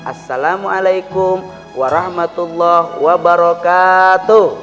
assalamualaikum warahmatullahi wabarakatuh